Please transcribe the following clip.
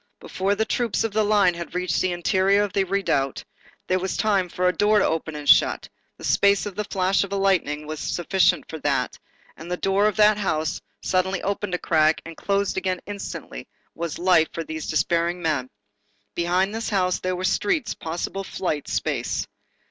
Before the troops of the line had reached the interior of the redoubt, there was time for a door to open and shut, the space of a flash of lightning was sufficient for that, and the door of that house, suddenly opened a crack and closed again instantly, was life for these despairing men. Behind this house, there were streets, possible flight, space.